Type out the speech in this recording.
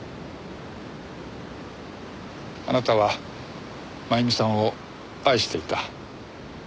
あなたは真由美さんを愛していた。